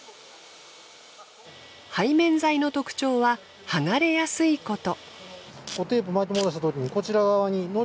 背面剤の特徴は剥がれやすいこと。